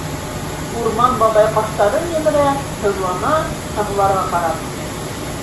Урман бабай ҡаштарын емерә, һыҙлана һәм, уларға ҡарап: